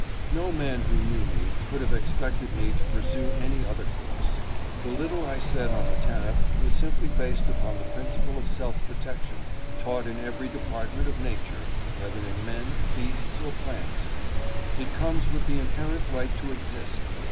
No man who knew me could have expected me to pursue any other course. The little I said on the tariff was simply based upon the principle of self protection taught in every department of nature, whether in men, beasts or plants. It comes with the inherent right to exist.